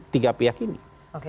tiga pihak ini oke